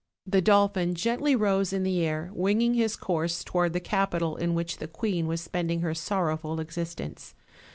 The dolphin gently rose in the air, winging his course toward the capital in which the queen was spending her sorrowful existence.